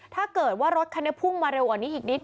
ถ้าเกิดว่ารถคันนี้พุ่งมาเร็วกว่านี้อีกนิด